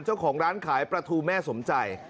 เจ้าของร้านขายปลาทูแม่สมใจ